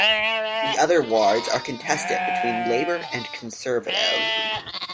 The other wards are contested between Labour and Conservative.